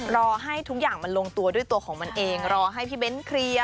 รอให้ทุกอย่างมันลงตัวด้วยตัวของมันเองรอให้พี่เบ้นเคลียร์